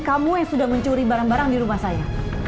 kamu yang sudah mencuri barang barang di rumah saya